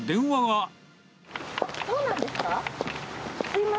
あっ、そうなんですか？